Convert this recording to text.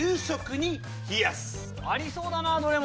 ありそうだなどれも。